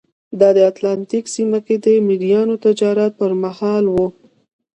دا د اتلانتیک سیمه کې د مریانو تجارت پرمهال وه.